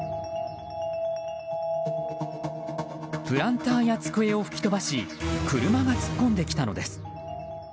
プランターや机を吹き飛ばし車が突っ込んできたのです。